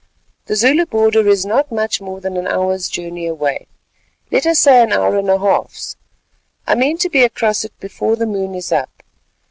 The Zulu border is not much more than an hour's journey away—let us say an hour and a half's: I mean to be across it before the moon is up.